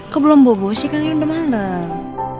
kok belum bobo sih kan ini udah malam